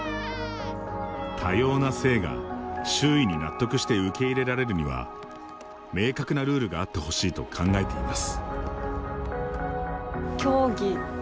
多様な性が、周囲に納得して受け入れられるには明確なルールがあってほしいと考えています。